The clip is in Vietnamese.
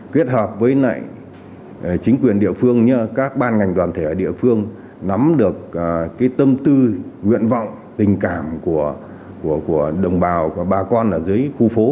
viết hợp với chính quyền địa phương các ban ngành đoàn thể địa phương nắm được tâm tư nguyện vọng tình cảm của đồng bào bà con ở dưới khu phố